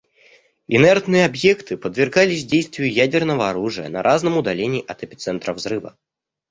Инертные объекты подвергались действию ядерного оружия на разном удалении от эпицентра взрыва.